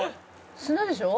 砂でしょ？」